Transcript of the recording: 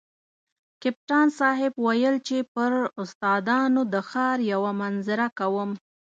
کپتان صاحب ویل چې پر استادانو د ښار یوه منظره کوم.